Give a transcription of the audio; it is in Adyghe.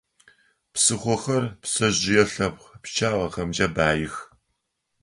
Псыхъохэр пцэжъые лъэпкъ пчъагъэхэмкӀэ баих.